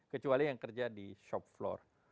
kecuali yang kerja di shop floor